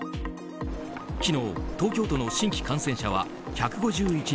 昨日、東京都の新規感染者は１５１人。